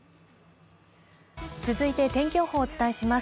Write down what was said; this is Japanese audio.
続いて天気予報をお伝えします。